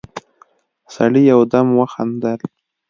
سړي يودم وخندل: